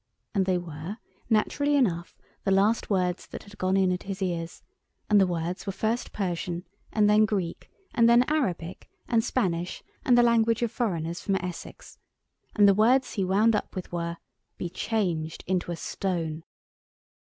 And they were, naturally enough, the last words that had gone in at his ears, and the words were first Persian and then Greek, and then Arabic and Spanish, and the language of foreigners from Essex; and the words he wound up with were, "be changed into a stone."